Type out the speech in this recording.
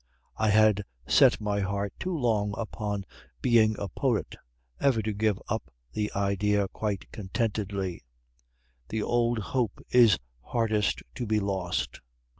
"I had set my heart too long upon being a poet ever to give up the idea quite contentedly; 'the old hope is hardest to be lost.'